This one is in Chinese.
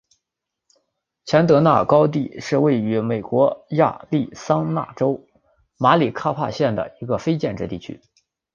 钱德勒高地是位于美国亚利桑那州马里科帕县的一个非建制地区。